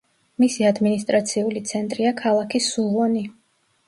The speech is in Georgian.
მისი ადმინისტრაციული ცენტრია ქალაქი სუვონი.